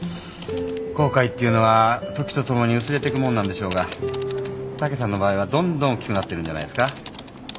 後悔っていうのは時と共に薄れてくもんなんでしょうが武さんの場合はどんどん大きくなってるんじゃないすか？